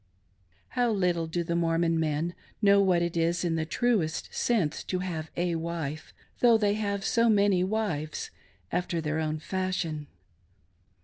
How little do the Mormon men know what it is in the truest sense to have a wife, though they have so many " wives " after their own fashion.